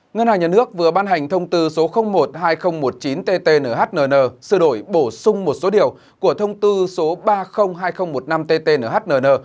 ngân hàng nhân nước vừa ban hành thông tư số một hai nghìn một mươi chín ttnhnn sửa đổi bổ sung một số điều của thông tư số ba mươi hai nghìn một mươi năm ttnhnn